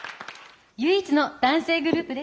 唯一の男性グループです。